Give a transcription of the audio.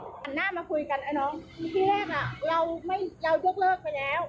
หน้ามาคุยกันอ่ะน้องทีแรกอ่ะเรายกเลิกไปแล้ว